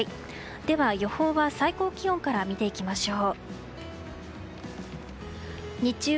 では予報は最高気温から見ていきましょう。